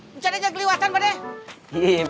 becandanya keliatan padahal